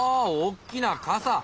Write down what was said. おっきな傘！